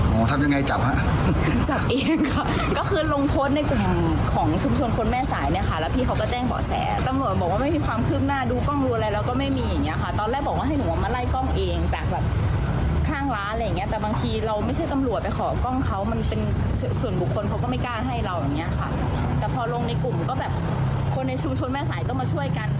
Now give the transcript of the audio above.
ไม่กล้าให้เราอย่างเนี้ยค่ะแต่พอลงในกลุ่มก็แบบคนในชุมชนแม่สายก็มาช่วยกัน